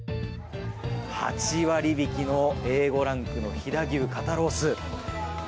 ８割引きのＡ５ランクの飛騨牛肩ロース。